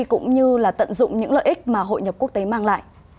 cũng như là tận dụng những lợi ích mà hội nhập quốc tế mang lại